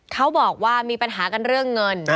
เขาบอกว่ามีปัญหากันเรื่องเงิน